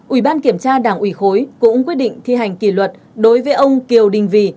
ủy ban kiểm tra đảng ủy khối cũng quyết định thi hành kỷ luật đối với ông kiều đình vì